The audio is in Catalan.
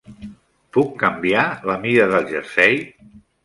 Puc canviar la mida del jersei?